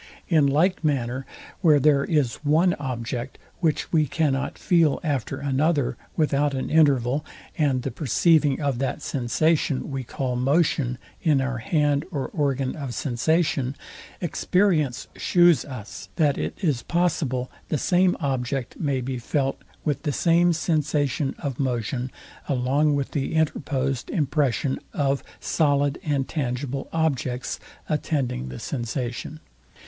In like manner, where there is one object, which we cannot feel after another without an interval, and the perceiving of that sensation we call motion in our hand or organ of sensation; experience shews us, that it is possible the same object may be felt with the same sensation of motion, along with the interposed impression of solid and tangible objects, attending the sensation.